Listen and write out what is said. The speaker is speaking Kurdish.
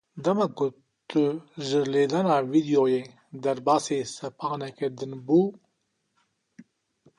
Dema ku tu ji lêdana vîdyoyê derbasî sepaneke din bû.